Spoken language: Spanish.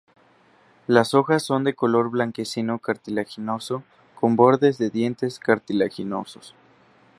Las hojas son de color blanquecino-cartilaginoso con bordes de dientes cartilaginosos.